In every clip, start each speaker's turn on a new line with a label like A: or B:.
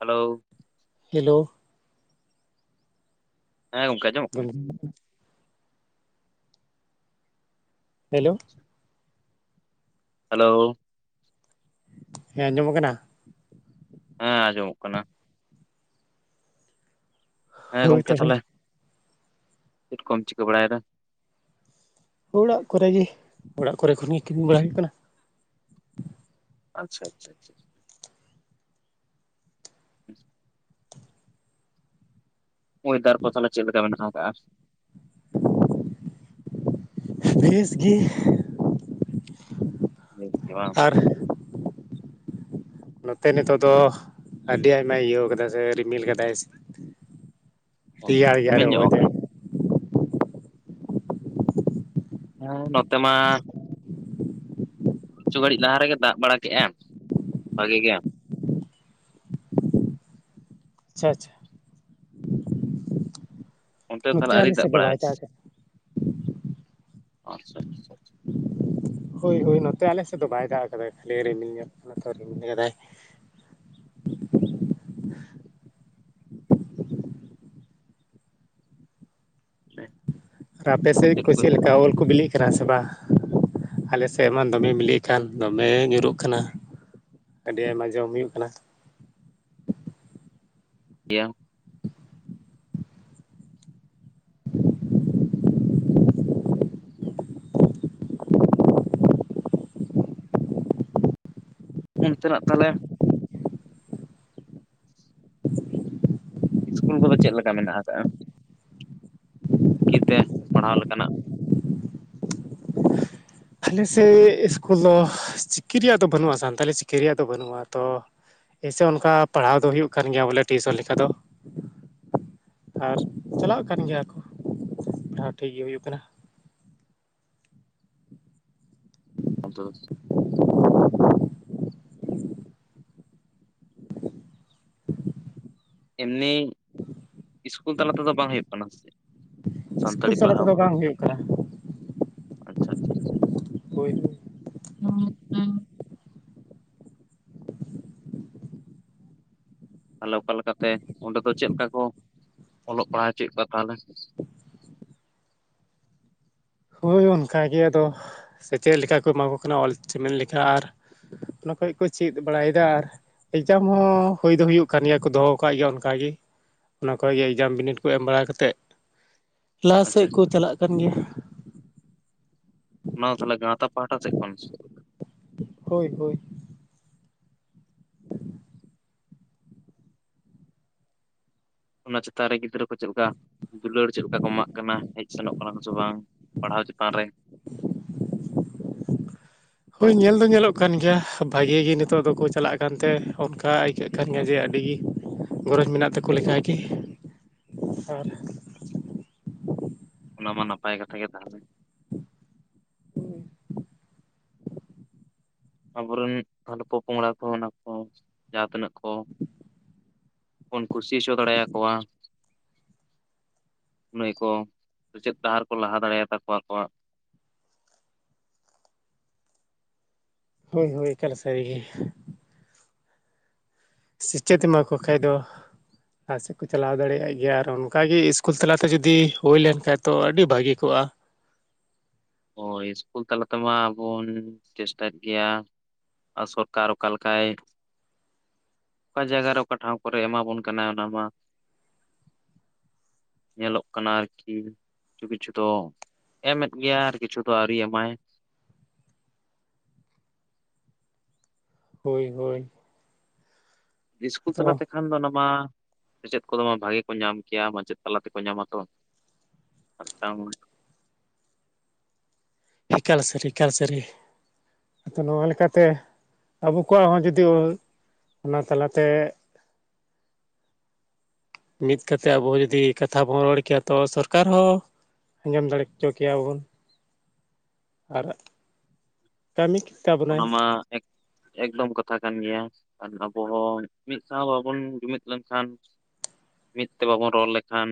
A: Hello
B: hello
A: ᱦᱮᱸ, ᱜᱚᱝᱠᱮ ᱟᱸᱡᱚᱢᱚᱜ ᱠᱟᱱᱟ
B: [unintelligible] ᱦᱮᱞᱳ
A: ᱟᱪᱪᱷᱟ ᱦᱟᱞᱳ
B: ᱦᱮᱸ ᱟᱸᱡᱚᱢᱚ ᱠᱟᱱᱟ?
A: ᱦᱮᱸ ᱟᱸᱡᱚᱢᱚᱜ ᱠᱟᱱᱟ ᱦᱮᱸ
B: ᱦᱳᱭ
A: ᱜᱚᱢᱠᱮ
B: ᱛᱚᱵᱮ
A: ᱛᱟᱦᱚᱞᱮ, ᱪᱮᱫ ᱠᱚᱢ ᱪᱤᱠᱟᱹ ᱵᱟᱲᱟᱭᱫᱟ?
B: ᱚᱲᱟᱜ ᱠᱚᱨᱮ ᱜᱮ, ᱚᱲᱟᱜ ᱠᱚᱨᱮ ᱠᱷᱚᱱ ᱜᱮ ᱠᱤᱢᱤ ᱵᱟᱲᱟ ᱦᱩᱭᱩᱜ ᱠᱟᱱᱟ
A: ᱟᱪᱪᱷᱟ ᱟᱪᱪᱷᱟ ᱪᱷᱟ [inaudible] ᱳᱭᱫᱟᱨ ᱠᱚ ᱛᱟᱦᱚᱞᱮ ᱪᱮᱫ ᱞᱮᱠᱟ ᱢᱮᱱᱟᱜ ᱠᱟᱜᱼᱟ?
B: ᱵᱷᱮᱥ ᱜᱮ
A: ᱵᱮᱥ ᱜᱮ ᱵᱟᱝ
B: ᱟᱨ ᱱᱚᱛᱮ ᱱᱤᱛᱚᱜ ᱫᱚ ᱟᱹᱰᱤ ᱟᱭᱢᱟᱭ ᱤᱭᱟᱹ ᱠᱟᱫᱟᱭ ᱥᱮ ᱨᱤᱢᱤᱞ ᱠᱟᱫᱟᱭ᱾
A: ᱚ,
B: ᱨᱮᱭᱟᱲ ᱮᱭᱟᱲ
A: ᱨᱤᱢᱤᱞ ᱧᱚᱜ
B: ᱦᱚᱭ ᱫᱟᱭ
A: ᱟᱠᱟᱜᱼᱟ ᱦᱚᱸ ᱱᱚᱛᱮ ᱢᱟ ᱪᱷᱩ ᱜᱷᱟᱹᱲᱤᱡ ᱞᱟᱦᱟ ᱨᱮᱜᱮ ᱫᱟᱜ ᱵᱟᱲᱟ ᱠᱮᱜ-ᱟᱭ ᱵᱷᱟᱜᱤ ᱜᱮ᱾
B: ᱟᱪᱪᱷᱟ ᱟᱪᱪᱷᱟ᱾
A: ᱚᱱᱛᱮ ᱛᱟᱦᱞᱮ
B: ᱱᱚᱛᱮ
A: ᱟᱣᱹᱨᱤ
B: ᱟᱞᱮ
A: ᱫᱟᱜ
B: ᱥᱮᱫ ᱫᱚ
A: ᱵᱟᱲᱟᱭᱟ᱾
B: ᱵᱟᱭ ᱠᱟᱫᱟ
A: ᱟᱪᱪᱷᱟ ᱟᱪᱪᱷᱟ,
B: ᱦᱳᱭ ᱦᱳᱭ ᱱᱚᱛᱮ ᱟᱞᱮᱥᱮᱜ ᱫᱚ ᱵᱟᱭ ᱫᱟᱜ ᱠᱟᱫᱟᱭ ᱠᱷᱟᱹᱞᱤ ᱨᱤᱢᱤᱞ ᱧᱮᱞᱚᱜ ᱠᱟᱱᱟ ᱛᱚ ᱨᱤᱢᱤᱞ ᱠᱟᱫᱟᱭ᱾
A: [unintelligible]
B: ᱟᱯᱮ ᱥᱮᱜ ᱠᱚ ᱪᱮᱫ ᱞᱮᱠᱟ ᱩᱞ ᱠᱚ ᱵᱤᱞᱤ- ᱠᱟᱱᱟ ᱥᱮ ᱵᱟᱝ ᱟᱞᱮ ᱥᱮᱜ ‌ᱢᱟ ᱫᱚᱢᱮ ᱢᱤᱞᱤᱜ ᱠᱟᱱ ᱫᱚᱢᱮ ᱧᱩᱨᱩᱜ ᱠᱟᱱᱟ᱾ ᱟᱹᱰᱤ ᱟᱭᱢᱟ ᱡᱚᱢ ᱦᱩᱭᱩᱜ ᱠᱟᱱᱟ᱾
A: [unintelligible] ᱚᱱᱛᱮ ᱱᱟᱜ ᱛᱟᱦᱞᱮ ᱤᱥᱠᱩᱞ ᱠᱚᱫᱚ ᱪᱮᱫ ᱞᱮᱠᱟ ᱢᱮᱱᱟᱜ ᱠᱟᱜ-ᱟ᱾ ᱠᱤᱠᱮ ᱛᱮ ᱯᱟᱲᱦᱟᱣ ᱞᱮᱠᱟᱱᱟᱜ
B: ᱟᱞᱮ ᱥᱮᱜ ᱤᱥᱠᱩᱞ ᱫᱚ ᱪᱤᱠᱤ ᱨᱮᱭᱟᱜ ᱫᱚ ᱵᱟᱹᱱᱩᱜ-ᱟ ᱥᱟᱱᱛᱟᱞᱤ ᱪᱤᱠᱤ ᱨᱮᱭᱟᱜ ᱫᱚ ᱵᱟᱹᱱᱩᱜ-ᱟ ᱛᱚ ᱦᱮᱸᱥᱮ ᱚᱱᱠᱟ ᱯᱟᱲᱦᱟᱣ ᱫᱚ ᱦᱩᱭᱩᱜ ᱠᱟᱱ ᱜᱮᱭᱟ ᱵᱚᱞᱮ ᱴᱤᱭᱩᱥᱚᱱ ᱞᱮᱠᱟ ᱫᱚ᱾ ᱟᱨ ᱪᱟᱞᱟᱜ ᱠᱟᱱ ᱜᱮᱭᱟ ᱠᱚ ᱯᱟᱲᱦᱟᱣ ᱴᱷᱤᱠ ᱜᱮ ᱦᱩᱭᱩᱜ ᱠᱟᱱᱟ᱾
A: ᱟᱫᱚ ᱮᱢᱱᱤ ᱤᱥᱠᱩᱞ ᱛᱟᱞᱟ ᱛᱮᱫᱚ ᱵᱟᱝ ᱦᱩᱭᱩᱜ ᱠᱟᱱᱟ ᱥᱮ
B: ᱤᱥᱠᱩᱞ
A: ᱥᱟᱱᱛᱟᱲᱤ
B: ᱛᱟᱞᱟ
A: ᱯᱟᱲᱦᱟᱣ
B: ᱛᱮᱫᱚ
A: ᱠᱚᱫᱚ
B: ᱵᱟᱝ ᱦᱩᱭᱩᱜ ᱠᱟᱱᱟ
A: ᱟᱪᱪᱷᱟ ᱟᱪᱪᱷᱟ ᱟᱪᱪᱷᱟ᱾
B: ᱵᱳᱭ
A: ᱦᱩᱸ ᱦᱩᱸ ᱛᱟᱦᱚᱞᱮ ᱚᱠᱟᱞᱮ ᱛᱮ ᱚᱸᱰᱮ ᱫᱚ ᱪᱮᱫ ᱞᱮᱠᱟ ᱠᱚ ᱚᱞᱚᱜ ᱯᱟᱲᱦᱟᱣ ᱦᱚᱪᱚᱭᱮᱫ ᱠᱚᱣᱟ ᱛᱟᱦᱚᱞᱮ᱾
B: ᱦᱳᱭ ᱚᱱᱠᱟ ᱜᱮ ᱟᱫᱚ ᱥᱮᱪᱮᱫ ᱞᱮᱠᱟ ᱠᱚ ᱮᱢᱟ ᱠᱚ ᱠᱟᱱᱟ ᱚᱞ ᱪᱮᱢᱮᱫ ᱞᱮᱠᱟ ᱟᱨ ᱚᱱᱟ ᱠᱷᱚᱡ ᱠᱚ ᱪᱮᱫ ᱵᱟᱲᱟᱭᱫᱟ ᱟᱨ ᱮᱠᱡᱟᱢ ᱦᱚᱸ ᱦᱩᱭ ᱫᱚ ᱦᱩᱭᱩᱜ ᱠᱟᱱ ᱜᱮᱭᱟ ᱠᱚ ᱫᱚᱦᱚ ᱠᱟᱜ ᱜᱮᱭᱟ ᱚᱱᱠᱟ ᱜᱮ ᱚᱱᱟ ᱠᱚᱡᱮ ᱮᱠᱡᱟᱢ ᱵᱤᱱᱤᱰ ᱠᱚ ᱮᱢ ᱵᱟᱲᱟ ᱠᱟᱛᱮᱜ ᱞᱟᱦᱟ
A: ᱟᱪᱪᱷᱟ
B: ᱥᱮᱜ ᱠᱚ
A: ᱟᱪᱪᱷᱟ
B: ᱪᱟᱞᱟᱜ ᱠᱟᱱ ᱜᱮᱭᱟ᱾
A: ᱚᱱᱟ ᱫᱚ ᱛᱟᱦᱚᱞᱮ ᱜᱟᱶᱛᱟ ᱯᱟᱦᱟᱴᱟ ᱪᱮᱫ ᱠᱷᱚᱱ ᱥᱮ ᱪᱮᱫ?
B: ᱦᱳᱭ ᱦᱳᱭ,
A: ᱚᱱᱟ ᱪᱮᱛᱟᱱ ᱨᱮ ᱜᱤᱫᱽᱨᱟᱹ ᱠᱚ ᱪᱮᱫ ᱞᱮᱠᱟ ᱫᱩᱞᱟᱹᱲ ᱪᱮᱫ ᱞᱮᱠᱟ ᱠᱚ ᱮᱢᱟᱜ ᱠᱟᱱᱟ ᱦᱮᱡ ᱥᱮᱱᱚᱜ ᱠᱟᱱᱟ ᱠᱚᱥᱮ ᱵᱟᱝ ᱯᱟᱲᱦᱟᱣ ᱪᱮᱛᱟᱱ ᱨᱮ᱾
B: ᱦᱳᱭ ᱧᱮᱞ ᱫᱚ ᱧᱮᱞᱚᱜ ᱠᱟᱱ ᱜᱮᱭᱟ ᱵᱷᱟᱜᱮ ᱜᱮ ᱱᱤᱛᱚᱜ ᱫᱚᱠᱚ ᱪᱟᱞᱟᱜ ᱠᱟᱱᱛᱮ ᱚᱱᱠᱟ ᱟᱹᱭᱠᱟᱹᱜ ᱠᱟᱱ ᱜᱮᱭᱟ ᱡᱮ ᱟᱹᱰᱤ ᱜᱤ ᱜᱚᱨᱚᱡᱽ ᱢᱮᱱᱟᱜ ᱛᱟᱠᱚ ᱞᱮᱠᱟ ᱜᱮ᱾ ᱟᱨ
A: ᱟᱪᱷᱟ ᱚᱱᱟ ᱢᱟ ᱱᱟᱯᱟᱭ ᱠᱟᱛᱷᱟ ᱜᱮ ᱛᱟᱦᱚᱞᱮ᱾ ᱟᱵᱚᱨᱮᱱ ᱛᱟᱦᱚᱞᱮ ᱯᱚ-ᱯᱚᱝᱲᱟ ᱠᱚ ᱚᱱᱟ ᱠᱚ ᱡᱟᱦᱟᱸ ᱛᱤᱱᱟᱹᱜ ᱠᱚ ᱵᱚᱱ ᱠᱩᱥᱤ ᱦᱚᱪᱚ ᱫᱟᱲᱮᱭᱟ ᱠᱚᱣᱟ ᱱᱟᱹᱭ ᱠᱚ ᱥᱮᱪᱮᱫ ᱰᱟᱦᱟᱨ ᱠᱚ ᱞᱟᱦᱟ ᱫᱟᱲᱮᱭᱟ ᱛᱟᱠᱚᱣᱟ ᱟᱠᱚᱣᱟᱜ
B: ᱦᱳᱭ ᱦᱳᱭ ᱮᱠᱟᱞ ᱥᱟᱹᱨᱤ ᱜᱮ᱾ ᱥᱮᱪᱮᱫ ᱮᱢᱟ ᱠᱚ ᱠᱷᱟᱡ ᱫᱚ ᱞᱟᱦᱟ ᱥᱮᱫ ᱠᱚ ᱪᱟᱞᱟᱣ ᱫᱟᱲᱮᱭᱟᱜ ᱜᱮᱭᱟ ᱟᱨ ᱚᱱᱠᱟ ᱜᱮ ᱤᱥᱠᱩᱞ ᱛᱟᱞᱟᱛᱮ ᱡᱩᱫᱤ ᱦᱩᱭᱞᱮᱱ ᱠᱷᱟᱱ ᱛᱚ ᱟᱹᱰᱤ ᱵᱷᱟᱹᱜᱤ ᱠᱚᱜ-ᱟ᱾
A: ᱦᱳᱭ ᱤᱥᱠᱩᱞ ᱛᱟᱞᱟ ᱛᱮᱢᱟ ᱟᱵᱚ ᱵᱚᱱ ᱪᱮᱥᱴᱟ ᱜᱮᱭᱟ᱾ ᱟᱨ ᱥᱚᱨᱠᱟᱨ ᱚᱠᱟ ᱞᱮᱠᱟᱭ ᱚᱠᱟ ᱦᱟᱭᱜᱟᱨᱮ ᱚᱠᱟ ᱴᱷᱟᱶ ᱠᱚᱨᱮ ᱮᱢᱟ ᱵᱚᱱ ᱠᱟᱱᱟ ᱚᱱᱟ ᱢᱟ ᱧᱮᱞᱚᱜ ᱠᱟᱱᱟ ᱟᱨᱠᱤ ᱠᱤᱪᱷᱩ ᱠᱤᱪᱷᱩ ᱫᱚ ᱮᱢᱮᱫ ᱜᱮᱭᱟᱭ ᱟᱨ ᱠᱤᱪᱷᱩ ᱫᱚ ᱟᱹᱣᱨᱤ ᱮᱢᱟᱭ᱾
B: ᱦᱳᱭ ᱦᱳᱭ᱾
A: ᱤᱥᱠᱩᱞ
B: ᱟᱫᱚ
A: ᱛᱟᱞᱟ ᱛᱮᱠᱷᱟᱱ ᱫᱚ ᱚᱱᱟ ᱢᱟ ᱥᱮᱪᱮᱫ ᱠᱚᱫᱚ ᱢᱟ ᱵᱷᱟᱜᱮ ᱠᱚ ᱧᱟᱢ ᱠᱮᱭᱟ ᱢᱟᱪᱮᱫ ᱛᱟᱞᱟ ᱛᱮᱠᱚ ᱧᱟᱢᱟ ᱛᱚ᱾ [unintelligible]
B: ᱤᱠᱟᱞ ᱥᱟᱨᱤ ᱮᱠᱟᱞ ᱥᱟᱨᱤ᱾ ᱟᱫᱚ ᱱᱚᱣᱟ ᱞᱮᱠᱟᱛᱮ ᱟᱵᱚ ᱠᱚᱣᱟᱜ ᱦᱚᱸ ᱡᱩᱫᱤ ᱚᱱᱟ ᱛᱟᱞᱟᱛᱮ
A: [inaudible]
B: ᱢᱤᱫ ᱠᱟᱛᱮ ᱟᱵᱚ ᱡᱩᱫᱤ ᱠᱟᱛᱷᱟ ᱵᱚᱱ ᱨᱚᱲ ᱠᱮᱭᱟ ᱛᱚ ᱥᱚᱨᱠᱟᱨ ᱦᱚᱸ ᱟᱸᱡᱚᱢ ᱫᱟᱲᱮ ᱦᱚᱪᱚ ᱠᱮᱭᱟᱵᱚᱱ᱾ ᱟᱨ ᱠᱟᱹᱢᱤᱠ
A: ᱚᱱᱟ ᱢᱟ ᱮᱠ ᱮᱠᱫᱚᱢ ᱠᱟᱛᱷᱟ ᱠᱟᱱ ᱜᱮᱭᱟ ᱟᱵᱚ ᱦᱚᱸ ᱢᱤᱫ ᱥᱟᱶ ᱵᱟᱵᱚᱱ ᱡᱩᱢᱤᱫ ᱞᱮᱱᱠᱷᱟᱱ ᱢᱤᱫ ᱛᱮ ᱵᱟᱵᱚᱱ ᱨᱚᱲ ᱞᱮᱠᱷᱟᱱ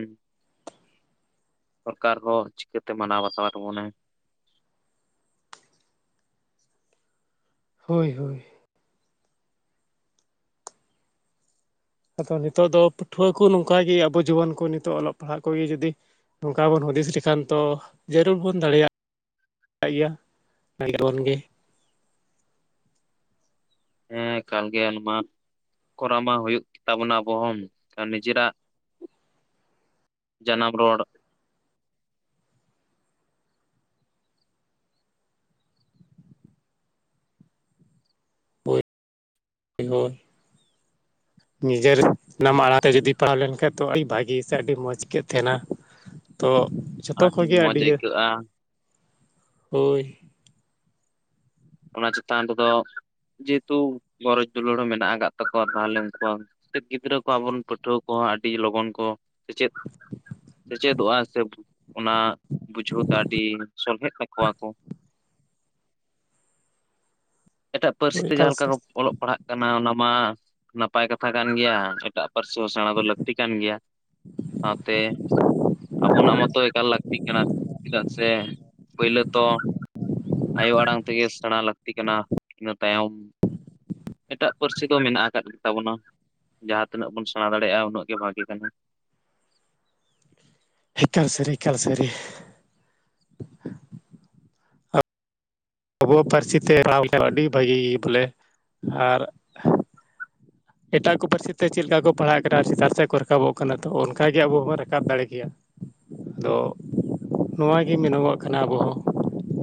A: ᱥᱚᱨᱠᱟᱨ ᱦᱚᱸ ᱪᱤᱠᱟᱹᱛᱮ ᱢᱟᱱᱟᱣ ᱵᱟᱛᱟᱣ ᱛᱟᱵᱚᱱᱟ?
B: ᱦᱳᱭ ᱦᱳᱭ᱾ ᱟᱫᱚ ᱱᱤᱛᱚᱜ ᱫᱚ ᱯᱟᱹᱴᱷᱣᱟᱹ ᱠᱚ ᱱᱚᱝᱠᱟ ᱜᱮ ᱟᱵᱚ ᱡᱩᱣᱟᱹᱱ ᱠᱚ ᱱᱤᱛᱚᱜ ᱚᱞᱚᱜ ᱯᱟᱲᱦᱟᱜ ᱠᱚᱜᱮ ᱡᱩᱫᱤ ᱱᱚᱝᱠᱟ ᱵᱚᱱ ᱦᱩᱫᱤᱥ ᱞᱮᱠᱷᱟᱱ ᱛᱚ ᱡᱟᱹᱨᱩᱲ ᱵᱚᱱ ᱫᱟᱲᱮᱭᱟᱜ ᱠᱟᱜ ᱜᱮᱭᱟ ᱵᱚᱱ ᱜᱮ
A: ᱦᱮᱸ ᱠᱟᱱ ᱜᱮᱭᱟ ᱱᱚᱣᱟ ᱢᱟ ᱠᱚᱨᱟᱣ ᱢᱟ ᱦᱩᱭᱩᱜ ᱜᱮ ᱛᱟᱵᱚᱱᱟ ᱟᱵᱚ ᱦᱚᱸ, ᱱᱤᱡᱮᱨᱟᱜ ᱡᱟᱱᱟᱢ ᱨᱳᱲ
B: ᱤᱧ ᱦᱚᱸ
A: [inaudible] [inaudible]
B: ᱱᱤᱡᱮᱨ ᱱᱟᱢ ᱟᱲᱟᱝ ᱛᱮ ᱡᱩᱚᱫᱤ ᱯᱟᱲᱦᱟᱣ ᱞᱮᱱᱠᱟᱱᱡ ᱛᱚ ᱟᱹᱰᱤ ᱵᱷᱟᱜᱤ ᱥᱮ ᱟᱹᱰᱤ ᱢᱚᱸᱡ ᱟᱹᱭᱟᱹᱜ ᱛᱟᱦᱮᱸᱱᱟ᱾ ᱛᱚ ᱡᱷᱚᱛᱚ ᱠᱷᱚᱡ ᱜᱮ
A: ᱢᱚᱸᱡᱽ
B: ᱟᱹᱰᱤ
A: ᱟᱹᱭᱠᱟᱹᱜᱼᱟ
B: ᱦᱳᱭ
A: ᱚᱱᱟ ᱪᱮᱛᱟᱱ ᱨᱮᱫᱚ ᱡᱮᱦᱮᱛᱩ ᱜᱚᱨᱚᱡ ᱫᱩᱞᱟᱹᱲ ᱦᱚᱸ ᱢᱮᱱᱟᱜ ᱠᱟᱫ ᱛᱟᱠᱚᱣᱟ ᱛᱟᱦᱞᱮ ᱩᱱᱠᱚᱣᱟᱜ ᱥᱮᱫ ᱜᱤᱫᱽᱨᱟᱹ ᱠᱚᱣᱟ ᱵᱚᱱ ᱯᱟᱹᱴᱷᱩᱣᱟᱹ ᱠᱚᱦᱚᱸ ᱟᱹᱰᱤ ᱞᱚᱜᱚᱱ ᱠᱚ ᱥᱮᱪᱮᱫ ᱥᱮᱪᱮᱫᱚᱜᱼᱟ ᱥᱮ ᱚᱱᱟ ᱵᱩᱡᱷᱟᱹᱣ ᱛᱮ ᱟᱹᱰᱤ ᱥᱚᱞᱦᱮᱜ ᱛᱠᱚᱣᱟ ᱟᱠᱚ ᱮᱴᱟᱜ ᱯᱟᱹᱨᱥᱤ
B: ᱦᱳᱭ
A: ᱛᱮ ᱡᱟᱦᱟᱸ
B: ᱮᱠᱟᱞ
A: ᱞᱮᱠᱟ
B: ᱥᱮ
A: ᱠᱚ ᱚᱞᱚᱜ ᱯᱟᱲᱦᱟᱜ ᱠᱟᱱᱟ ᱚᱱᱟ ᱢᱟ ᱱᱟᱯᱟᱭ ᱠᱟᱛᱷᱟ ᱠᱟᱱ ᱜᱮᱭᱟ ᱮᱴᱟᱜ ᱯᱟᱹᱨᱥᱤ ᱦᱚᱸ ᱥᱮᱬᱟ ᱫᱚ ᱞᱟᱹᱠᱛᱤ ᱠᱟᱱ ᱜᱮᱭᱟ᱾ ᱥᱟᱶᱛᱮ ᱟᱵᱚᱱᱟᱜ ᱢᱟᱛᱚ ᱮᱠᱟᱞ ᱞᱟᱹᱠᱛᱤ ᱠᱟᱱᱟ ᱪᱮᱫᱟᱜ ᱥᱮ ᱯᱳᱭᱞᱳ ᱛᱚ ᱟᱭᱳ ᱟᱲᱟᱝ ᱛᱮᱜᱮ ᱥᱮᱬᱟ ᱞᱟᱹᱠᱛᱤ ᱠᱟᱱᱟ ᱤᱱᱟᱹ ᱛᱟᱭᱚᱢ ᱮᱴᱟᱜ ᱯᱟᱹᱨᱥᱤ ᱫᱚ ᱢᱮᱱᱟᱜ ᱟᱠᱟᱫ ᱜᱮᱛᱟ ᱵᱚᱱᱟ᱾ ᱡᱟᱦᱟᱸ ᱛᱤᱱᱟᱹᱜ ᱵᱚᱱ ᱥᱮᱬᱟ ᱫᱟᱲᱮᱭᱟᱜᱼᱟ ᱩᱱᱟᱹᱜ ᱜᱮ ᱵᱷᱟᱜᱤ ᱛᱟᱦᱮᱸᱱᱟ᱾
B: ᱮᱠᱟᱞ ᱥᱟᱨᱤ ᱮᱠᱟᱞ ᱥᱟᱨᱤ᱾ ᱟᱵᱚ ᱯᱟᱹᱨᱥᱤ ᱛᱮ ᱯᱟᱲᱟᱣ ᱞᱮᱠᱷᱟ ᱟᱹᱰᱤ ᱵᱷᱟᱜᱤ ᱵᱚᱞᱮ ᱟᱨ ᱮᱴᱟᱜ ᱠᱚ ᱯᱟᱹᱨᱥᱤ ᱛᱮ ᱪᱮᱫ ᱞᱮᱠᱟ ᱠᱚ ᱯᱟᱲᱦᱟᱜ ᱠᱟᱱᱟ ᱥᱮᱛᱟᱜ ᱥᱮᱫ ᱠᱚ ᱨᱟᱠᱟᱵᱚᱜ ᱠᱟᱱᱟ ᱛᱚ ᱚᱱᱠᱟᱜᱮ ᱟᱵᱚ ᱵᱚᱱ ᱨᱟᱠᱟᱵ ᱫᱟᱲᱮ ᱠᱮᱭᱟ᱾
A: [inaudible]
B: ᱟᱫᱚ ᱱᱚᱣᱟᱜᱮ ᱢᱮᱱᱚᱜᱚᱜ ᱠᱟᱱᱟ ᱟᱵᱚᱣᱟᱜ ᱦᱚᱸ᱾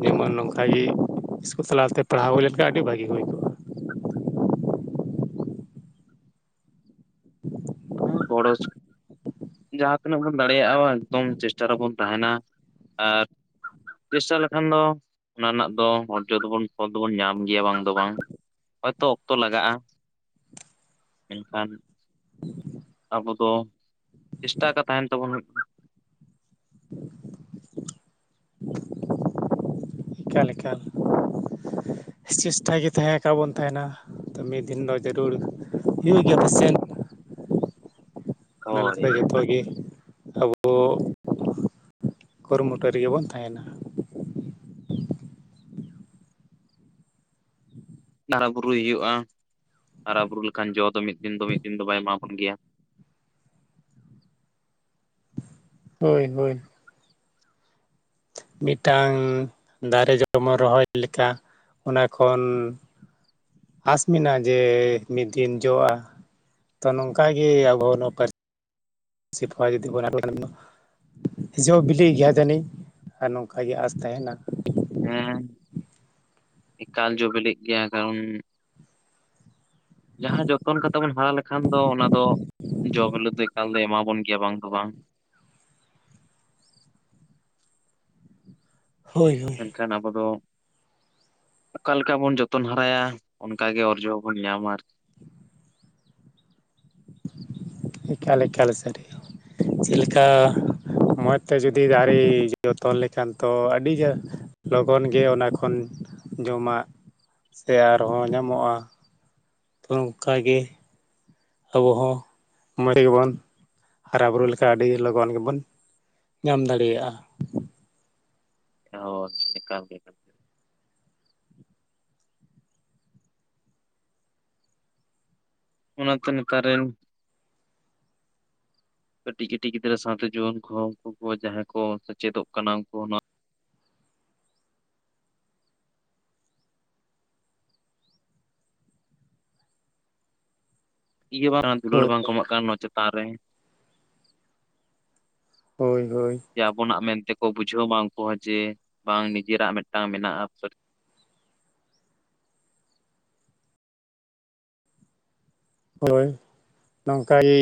B: ᱡᱮᱢᱚᱱ ᱱᱚᱝᱠᱟᱜᱮ ᱤᱥᱠᱩᱞ ᱥᱟᱞᱟᱛᱮ ᱯᱟᱲᱦᱟᱣ ᱦᱩᱭ ᱞᱮᱱᱠᱷᱟᱱ ᱟᱹᱰᱤ ᱵᱷᱟᱹᱜᱤ ᱦᱩᱭ ᱠᱚᱜ [inaudible]
A: ᱵᱚᱲᱚ ᱤᱥ ᱡᱟᱦᱟᱸ ᱛᱤᱱᱟᱹᱜ ᱵᱚᱱ ᱫᱟᱲᱮᱭᱟᱜᱼᱟ ᱮᱠᱫᱚᱢ ᱪᱮᱥᱴᱟ ᱨᱮᱵᱚᱱ ᱛᱟᱦᱮᱸᱱᱟ ᱟᱨ ᱪᱮᱥᱴᱟ ᱞᱮᱠᱷᱟᱱ ᱫᱚ ᱚᱱᱟ ᱨᱮᱱᱟᱜ ᱫᱚ ᱚᱨᱡᱚ ᱫᱚᱵᱚᱱ ᱯᱷᱚᱛ ᱫᱚᱵᱚᱱ ᱧᱟᱢ ᱜᱮᱭᱟ ᱵᱟᱝ ᱫᱚ ᱵᱟᱝ᱾ ᱦᱚᱭᱛᱚ ᱚᱠᱛᱚ ᱞᱟᱜᱟᱜ-ᱟ ᱢᱮᱱᱠᱷᱟᱱ᱾ ᱟᱵᱚ ᱫᱚ ᱪᱮᱥᱴᱟ ᱟᱠᱟ ᱛᱟᱦᱮᱱ ᱛᱟᱵᱚᱱ
B: ᱮᱠᱟᱞ ᱮᱠᱟᱞ ᱪᱮᱥᱴᱟᱭ ᱜᱤ ᱛᱟᱦᱮ ᱟᱠᱟ ᱵᱚᱱ ᱛᱟᱦᱮᱱᱟ᱾ ᱛᱚ ᱢᱤᱜ ᱫᱤᱱ ᱫᱚ ᱡᱟᱹᱨᱩᱲ ᱦᱩᱭᱩᱜ ᱜᱮᱭᱟ ᱟᱯᱮᱥᱮᱱ᱾ ᱚᱱᱟ
A: ᱦᱳᱭ
B: ᱞᱮᱠᱟᱛᱮ ᱡᱚᱛᱚᱜᱤ ᱜᱮ ᱟᱵ ᱵᱚ ᱠᱩᱨᱩᱢᱩᱴᱩᱭ ᱨᱮᱜᱤ ᱵᱚᱱ ᱛᱟᱦᱮᱱᱟ᱾
A: ᱦᱟᱨᱟ ᱵᱩᱨᱩᱭ ᱦᱩᱭᱩᱜ-ᱟ ᱦᱟᱨᱟ ᱵᱩᱨᱩ ᱞᱮᱠᱷᱟᱱ ᱡᱚ ᱫᱚ ᱢᱤᱫ ᱫᱤᱱ ᱫᱚ ᱢᱤᱫ ᱫᱤᱱ ᱫᱚ ᱵᱟᱭ ᱮᱢᱟᱵᱚᱱ ᱜᱮᱭᱟ᱾
B: ᱦᱳᱭ ᱦᱳᱭ᱾ ᱢᱤᱜᱴᱟᱝ ᱫᱟᱨᱮ ᱡᱮᱢᱚᱱ ᱨᱚᱦᱚᱭ ᱞᱮᱠᱟ ᱚᱱᱟ ᱠᱷᱚᱱ᱾ ᱟᱸᱥ ᱢᱮᱱᱟᱜ ᱡᱮ ᱢᱤᱫ ᱫᱤᱱ ᱡᱚ-ᱟ᱾ ᱛᱚ ᱱᱚᱝᱠᱟ ᱜᱤ ᱟᱵᱚ ᱱᱚᱣᱟ ᱯᱟᱹ ᱥᱤ ᱯᱚᱦᱟ ᱡᱩᱫᱤ ᱵᱚᱱ᱾ [unintelligible] ᱡᱚ ᱵᱤᱞᱤ ᱜᱮᱭᱟ ᱡᱟᱱᱤᱧ ᱟᱨ ᱱᱚᱝᱠᱟᱜᱤ ᱟᱸᱥ ᱛᱟᱦᱮᱱᱟ᱾
A: ᱦᱩᱸ ᱮᱠᱟᱞ ᱡᱚ ᱵᱮᱞᱮᱜ ᱜᱮᱭᱟ ᱠᱟᱨᱚᱱ᱾ ᱡᱟᱸᱦᱟ ᱡᱚᱛᱚᱱ ᱠᱟᱛᱟ ᱵᱚᱱ ᱦᱚᱨᱟ ᱞᱮ ᱠᱷᱟᱱ ᱫᱚ ᱚᱱᱟ ᱫᱚ ᱡᱚ ᱵᱮᱞᱮ ᱫᱚ ᱮᱠᱟᱞ ᱫᱚ ᱮᱢᱟᱵᱚᱱ ᱜᱮᱭᱟ ᱵᱟᱝ ᱫᱚ ᱵᱟᱝ᱾
B: ᱦᱳᱭ ᱦᱳᱭ᱾
A: ᱠᱷᱟᱱ ᱟᱵᱚ ᱫᱚ᱾ ᱚᱠᱟ ᱞᱮᱠᱟ ᱵᱚᱱ ᱡᱚᱛᱚᱱ ᱦᱟᱨᱟᱭᱟ ᱚᱱᱠᱟ ᱜᱮ ᱚᱨᱡᱚ ᱦᱚᱸᱵᱚᱱ ᱧᱟᱢᱟ ᱟᱨ
B: ᱮᱠᱟᱞ ᱮᱠᱟᱞ ᱥᱟᱹᱨᱤ ᱪᱮᱜ ᱞᱮᱠᱟ᱾ ᱢᱚᱡᱽ ᱛᱮ ᱡᱩᱫᱤ ᱫᱟᱨᱤ ᱡᱚᱛᱚᱱ ᱞᱮᱠᱷᱟᱱ ᱛᱚ ᱟᱰᱤ ᱡᱟ ᱞᱚᱜᱚᱱ ᱜᱮ ᱚᱱᱟ ᱠᱷᱚᱱ ᱡᱚᱢᱟᱜ ᱥᱮ ᱟᱨᱦᱚᱸ ᱧᱟᱢᱚᱜ-ᱟ᱾ [unintelligible] ᱚᱱᱠᱟᱜᱤ᱾ ᱟᱵᱩ ᱦᱚᱸ ᱢᱚᱡᱽ ᱛᱮᱜᱮᱵᱚᱱ ᱦᱟᱨᱟ ᱵᱩᱨᱩ ᱞᱮᱠᱷᱟ ᱟᱰᱤ ᱞᱚᱜᱚᱱ ᱜᱮᱵᱚᱱ᱾ ᱧᱟᱢ ᱫᱟᱲᱤᱭᱟᱜ-ᱟ᱾
A: ᱦᱚᱸ ᱮᱠᱟᱞᱜᱮ ᱮᱠᱟᱞ᱾ ᱜᱮ ᱚᱱᱟᱛᱮ ᱱᱮᱛᱟᱨᱮᱱ᱾ ᱠᱟᱹᱴᱤᱡ ᱠᱟᱹᱴᱤᱡ ᱜᱤᱫᱽᱨᱟᱹ ᱥᱟᱶᱛᱮ ᱡᱩᱣᱟᱹᱱ ᱠᱚᱦᱚ ᱩᱱᱠᱩ ᱠᱚ ᱡᱟᱸᱦᱟᱭ ᱠᱚ ᱥᱮᱪᱮᱫᱚᱜ ᱠᱟᱱᱟ ᱩᱱᱠᱩ ᱱᱚᱣᱟ᱾ ᱤᱭᱟᱹ ᱵᱟᱝ ᱫᱩᱞᱟᱹᱲ
B: ᱦᱳᱭ
A: ᱵᱟᱝ ᱠᱚ ᱮᱢᱟᱜ ᱠᱟᱱ ᱱᱚᱣᱟ ᱪᱮᱛᱟᱱ ᱨᱮ᱾
B: ᱦᱳᱭ ᱦᱳᱭ᱾
A: ᱡᱮ ᱟᱵᱚᱱᱟᱜ ᱢᱮᱱᱛᱮᱠᱚ ᱵᱩᱡᱷᱟᱹᱣ ᱢᱟ ᱩᱱᱠᱩ ᱦᱚᱸ ᱡᱮ ᱵᱟᱝ ᱱᱤᱡᱮᱨᱟᱜ ᱢᱮᱜ ᱴᱟᱝ ᱢᱮᱱᱟᱜ-ᱟ᱾ [unintelligible]
B: ᱦᱳᱭ ᱱᱚᱝᱠᱟ ᱜᱤ᱾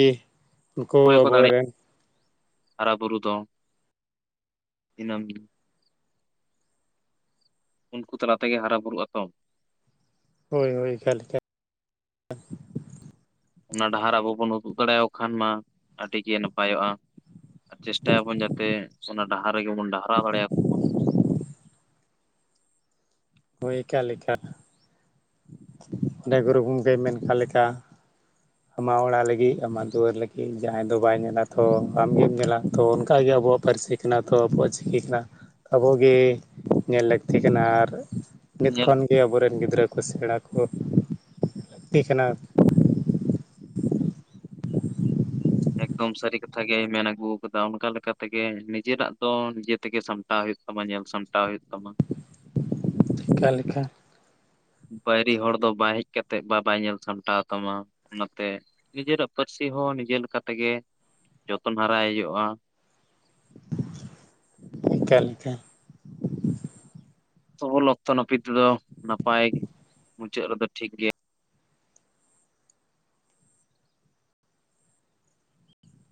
A: ᱚᱠᱚᱭᱠᱚ ᱫᱟᱲᱮ ᱦᱟᱨᱟ ᱵᱩᱨᱩ ᱫᱚ ᱫᱤᱱᱟᱹᱢ᱾ ᱩᱱᱠᱩ ᱛᱟᱞᱟ ᱛᱮᱜᱮ ᱦᱟᱨᱟ ᱵᱩᱨᱩᱜ ᱟᱛᱚ᱾
B: ᱦᱳᱳ ᱦᱳᱭ ᱮᱠᱟᱞ ᱮᱠᱟᱞ᱾
A: ᱚᱱᱟ ᱰᱟᱦᱟᱨ ᱟᱵᱚ ᱵᱚᱱ ᱩᱫᱩᱜ ᱫᱟᱲᱮᱣ ᱠᱷᱟᱱ ᱢᱟ ᱟᱰᱤ ᱜᱮ ᱱᱟᱯᱟᱭᱚᱜ-ᱟ ᱪᱮᱥᱴᱟᱭᱟᱵᱚᱱ ᱡᱟ ᱛᱮ ᱚᱱᱟ ᱰᱟᱦᱟᱨ ᱨᱮᱜᱮ ᱵᱚᱱ ᱰᱟᱦᱨᱟᱣ ᱫᱟᱲᱮᱭᱟᱠᱚ ᱢᱟ᱾
B: ᱦᱳᱭ ᱮᱠᱟᱞ ᱮᱠᱟᱞ ᱚᱸᱰᱮ ᱜᱩᱨᱩ ᱜᱚᱢᱠᱮᱭ ᱢᱮᱱ ᱠᱟᱜ ᱞᱮᱠᱟ᱾ ᱟᱢᱟᱜ ᱚᱲᱟᱜ ᱞᱟᱹᱜᱤᱫ ᱟᱢᱟᱜ ᱫᱩᱣᱟᱹᱨ ᱟᱢᱟᱜ ᱚᱲᱟᱜ ᱟᱢᱟᱜ ᱚᱲᱟᱜ ᱞᱟᱹᱜᱤᱜ ᱟᱢᱟᱜ ᱫᱩᱣᱟᱹᱨ ᱞᱟᱹᱜᱤᱜ ᱡᱟᱸᱦᱟᱭ ᱫᱚ ᱵᱟᱭ ᱧᱮᱞᱟ ᱛᱷᱚ ᱟᱢᱜᱮᱢ ᱧᱮᱞᱟ ᱛᱷᱚ ᱚᱱᱠᱟᱜᱮ ᱟᱵᱚᱣᱟᱜ ᱯᱟᱨᱥᱤ᱾ ᱠᱟᱱᱟ ᱛᱚ ᱟᱵᱚᱣᱟᱜ ᱪᱤᱠᱤ ᱠᱟᱱᱟ ᱟᱵᱚᱜᱮ ᱧᱮᱞ ᱞᱟᱹᱠᱛᱤ ᱠᱟᱱᱟ ᱟᱨ᱾ ᱱᱤᱛ
A: ᱧᱮᱞ
B: ᱠᱷᱚᱱ ᱜᱮ ᱟᱵᱚᱨᱮᱱ ᱜᱤᱫᱽᱨᱟᱹ ᱠᱚ ᱥᱮᱸᱬᱟ ᱠᱩ ᱞᱟᱠᱛᱤ ᱠᱟᱱᱟ᱾ [inaudible]
A: ᱮᱠᱫᱚᱢ ᱥᱟᱹᱨᱤ ᱠᱟᱛᱷᱟ ᱜᱮᱭ ᱢᱮᱱ ᱟᱹᱜᱩ ᱠᱟᱫᱟ ᱚᱱᱠᱟ ᱞᱮᱠᱟᱛᱮᱜᱮ ᱱᱤᱡᱮᱨᱟᱜ ᱫᱚ ᱱᱤᱡᱮ ᱛᱮᱜᱮ ᱥᱟᱢ ᱴᱟᱣ ᱦᱩᱭᱩᱜ ᱛᱟᱢᱟ ᱧᱮᱞ ᱥᱟᱢᱴᱟᱣ ᱦᱩᱭᱩᱜ ᱛᱟᱢᱟ᱾
B: ᱪᱮᱠᱟ ᱞᱮᱠᱟ?
A: ᱵᱟᱭᱨᱤ ᱦᱚᱲ ᱫᱚ ᱵᱟᱭ ᱦᱮᱡ ᱠᱟᱛᱮᱫ ᱵᱟᱵᱟᱭ ᱧᱮᱞ ᱥᱟᱢᱴᱟᱣ ᱛᱟᱢᱟ ᱚᱱᱟᱛᱮ᱾ ᱱᱤᱡᱮᱨᱟᱜ ᱯᱟᱹᱨᱥᱤ ᱦᱚᱸ ᱱᱤᱡᱮᱨ ᱞᱮᱠᱟ ᱛᱮᱜᱮ, ᱡᱚᱛᱚᱱ ᱦᱟᱨᱟᱭ ᱦᱩᱭᱩᱜᱚᱜᱼᱟ᱾
B: ᱪᱮᱠᱟ ᱞᱮᱠᱟ᱾
A: [unintelligible] ᱚᱠᱛᱚ ᱱᱟᱯᱤᱛ ᱛᱮᱫᱚ ᱱᱟᱯᱟᱭ, ᱢᱩᱪᱟᱹᱫ ᱨᱮᱫᱚ ᱴᱷᱤᱠ ᱜᱮᱭᱟ᱾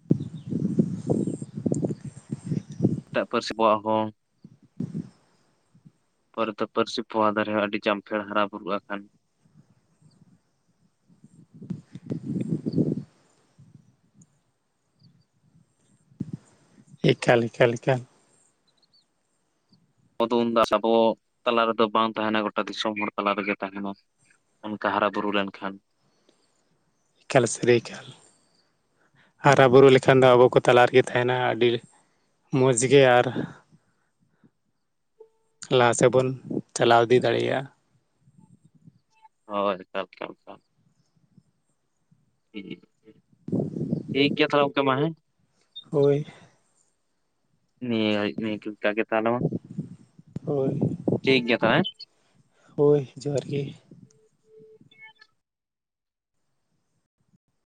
B: [inaudible]
A: ᱮᱴᱟᱜ ᱯᱟᱹᱨᱥᱤ ᱠᱚᱣᱟᱜ ᱦᱚᱸ ᱯᱚᱨᱮ ᱫᱚ ᱯᱟᱹᱨᱥᱤ ᱯᱚᱦᱟ ᱫᱟᱨᱮ ᱦᱚᱸ ᱟᱹᱰᱤ ᱡᱟᱢᱯᱷᱮᱲ ᱦᱟᱨᱟ ᱵᱩᱨᱩᱜ ᱟᱠᱟᱱ᱾
B: ᱮᱠᱟᱞ ᱞᱮᱠᱟ ᱞᱮᱠᱟ
A: ᱟᱫᱚᱢ ᱵᱟᱥ ᱟᱵᱚ ᱛᱟᱞᱟ ᱨᱮᱫᱚ ᱵᱟᱝ ᱛᱟᱦᱮᱱᱟ, ᱜᱚᱴᱟ ᱫᱤᱥᱚᱢ ᱦᱚᱲ ᱛᱟᱞᱟ ᱨᱮᱜᱮ ᱛᱟᱦᱮᱱᱟ᱾ ᱚᱱᱠᱟ ᱦᱟᱨᱟ ᱵᱩᱨᱩ ᱞᱮᱱᱠᱷᱟᱱ᱾
B: ᱮᱠᱟᱞ ᱥᱟᱹᱨᱟᱹᱭᱠᱟᱞ, ᱦᱟᱨᱟᱵᱩᱨᱩ ᱞᱮᱠᱷᱟᱱ ᱫᱚ ᱟᱵᱚ ᱠᱚ ᱛᱟᱞᱟ ᱨᱮᱜᱮ ᱛᱟᱦᱮᱱᱟ ᱟᱹᱰᱤ᱾ ᱢᱚᱡᱽ ᱜᱮ ᱟᱨ ᱞᱟᱦᱟ ᱥᱮᱫ ᱵᱚᱱ, ᱪᱟᱞᱟᱣ ᱤᱫᱤ ᱫᱟᱲᱮᱭᱟᱜᱼᱟ᱾
A: ᱦᱳᱭ [unintelligible] ᱴᱷᱤᱠ ᱜᱮᱭᱟ ᱛᱟᱦᱚᱞᱮ ᱜᱚᱢᱠᱮ ᱢᱟ ᱦᱮᱸ᱾
B: ᱦᱳᱭ
A: ᱱᱤᱭᱟᱹ [unintelligible] ᱴᱷᱤᱠ ᱜᱮ ᱛᱟᱦᱮᱱᱟ,
B: ᱦᱳᱭ
A: ᱴᱷᱤᱠ ᱜᱮᱭᱟ ᱦᱮᱸ᱾
B: ᱦᱳᱭ ᱡᱚᱦᱟᱨ ᱜᱮ᱾